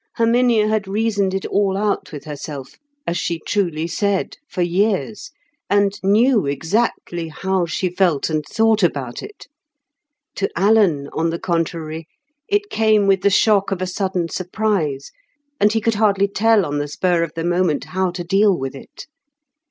Herminia had reasoned it all out with herself, as she truly said, for years, and knew exactly how she felt and thought about it. To Alan, on the contrary, it came with the shock of a sudden surprise, and he could hardly tell on the spur of the moment how to deal with it.